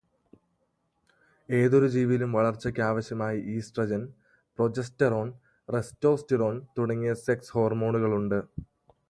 ഏതൊരു ജീവിയിലും വളർച്ചയ്ക്ക് ആവശ്യമായ ഈസ്റ്റ്രജൻ, പ്രോജെസ്റ്റെറോൻ, റെസ്റ്റോസ്റ്റിറോൻ തുടങ്ങിയ സെക്സ് ഹോർമോണുകൾ ഉണ്ട്.